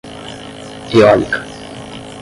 Eólica